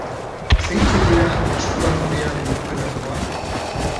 Zeintzuk dira eskuartean dituen asmoa?